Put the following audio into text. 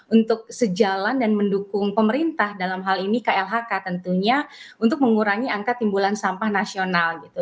untuk sejalan dan mendukung pemerintah dalam hal ini klhk tentunya untuk mengurangi angka timbulan sampah nasional gitu